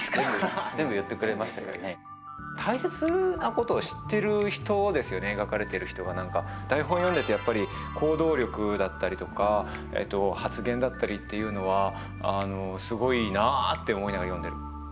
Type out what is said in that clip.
全部言ってくれましたけどね描かれてる人はなんか台本読んでてやっぱり行動力だったりとか発言だったりっていうのはすごいなって思いながら読んでる